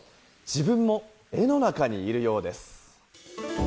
自分も絵の中にいるようです。